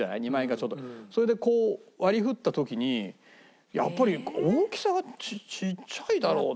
それでこう割り振った時にやっぱり大きさがちっちゃいだろって。